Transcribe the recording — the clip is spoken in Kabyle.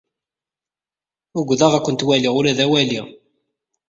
Ukḍeɣ ad kent-waliɣ ula d awali.